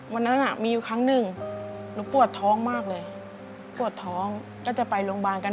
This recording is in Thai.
วันนั้นมีอยู่ครั้งหนึ่งหนูปวดท้องมากเลยปวดท้องก็จะไปโรงพยาบาลกัน